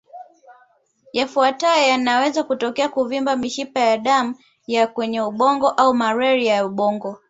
Yafuatayo yanaweza kutokea kuvimba mishipa ya damu ya kwenye ubongo au malaria ya ubongo